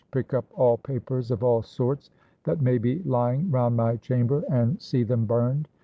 Pick up all papers of all sorts that may be lying round my chamber, and see them burned.